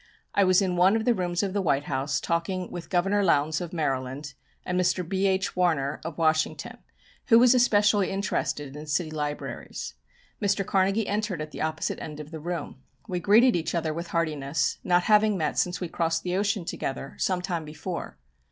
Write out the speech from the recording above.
I was in one of the rooms of the White House talking with Governor Lowndes, of Maryland, and Mr. B.H. Warner, of Washington, who was especially interested in city libraries. Mr. Carnegie entered at the opposite end of the room. We greeted each other with heartiness, not having met since we crossed the ocean together some time before.